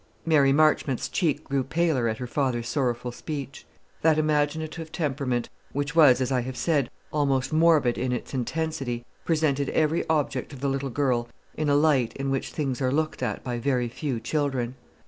Mary Marchmont's cheek grew paler at her father's sorrowful speech. That imaginative temperament, which was, as I have said, almost morbid in its intensity, presented every object to the little girl in a light in which things are looked at by very few children.